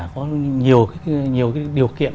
có nhiều điều kiện